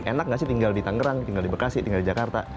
enak gak sih tinggal di tangerang tinggal di bekasi tinggal di jakarta